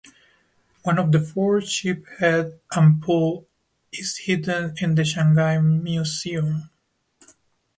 One of the four sheep head ampoule is hidden in the Shanghai Museum.